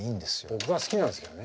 僕は好きなんですけどね。